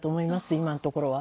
今のところは。